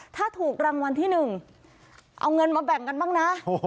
ถ้าถูกรางวัลที่๑เอาเงินมาแบ่งกันบ้างนะ